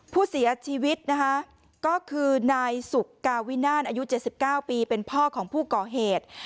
ผู้เสียชีวิตนะคะก็คือนายสุกกาวินานอายุ๗๙ปีเป็นพ่อของผู้ก่อเหตุ